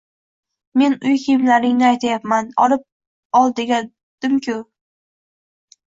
Men uy kiyimlaringni aytayapman, olib ol devdim-ku